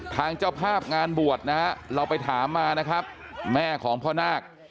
เจ้าภาพงานบวชนะฮะเราไปถามมานะครับแม่ของพ่อนาค